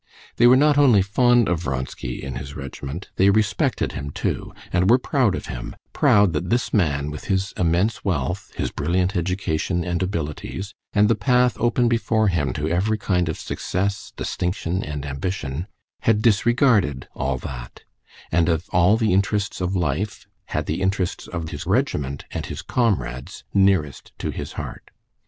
They were not only fond of Vronsky in his regiment, they respected him too, and were proud of him; proud that this man, with his immense wealth, his brilliant education and abilities, and the path open before him to every kind of success, distinction, and ambition, had disregarded all that, and of all the interests of life had the interests of his regiment and his comrades nearest to his heart.